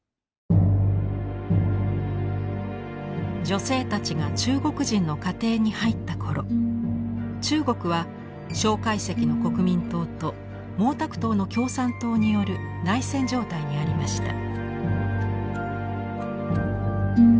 女性たちが中国人の家庭に入った頃中国は蒋介石の国民党と毛沢東の共産党による内戦状態にありました。